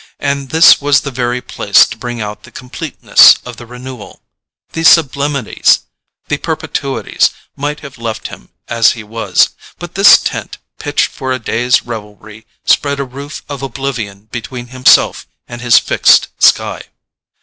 And this was the very place to bring out the completeness of the renewal. The sublimities, the perpetuities, might have left him as he was: but this tent pitched for a day's revelry spread a roof of oblivion between himself and his fixed sky.